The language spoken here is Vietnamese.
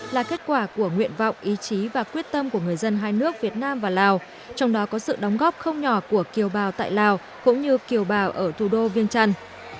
là kết quả của nguyện vọng ý chí và quyết tâm của người dân hai nước việt nam và lào trong đó có sự đóng góp không nhỏ của kiều bào tại lào cũng như kiều bào ở thủ đô viên trăn